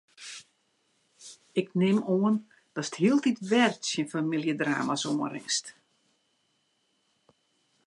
Ik nim oan datst hieltyd wer tsjin famyljedrama's oanrinst?